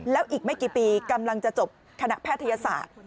แล้วอีกไม่กี่ปีกำลังจะจบคณะแพทยศาสตร์